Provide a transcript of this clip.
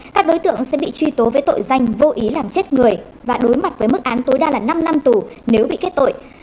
các đối tượng sẽ bị truy tố với tội danh vô ý làm chết người và đối mặt với mức án tối đa là năm năm tù nếu bị kết tội